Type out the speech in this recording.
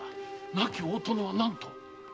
亡き大殿は何と？